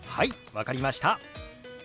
分かりました。